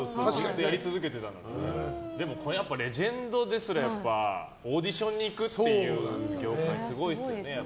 だってレジェンドですらやっぱオーディションに行くっていう業界すごいですよね。